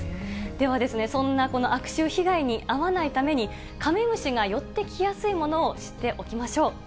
ではですね、そんなこの悪臭被害に遭わないために、カメムシが寄ってきやすいものを知っておきましょう。